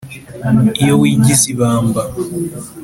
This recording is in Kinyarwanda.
iyo wigize ibamba